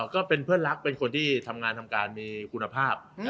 ก็เป็นเพื่อนรักเป็นคนที่ทำงานทำการมีคุณภาพ